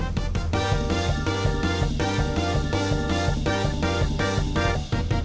เอ้าแล้วตรงกะทิชับก่อแบบไหน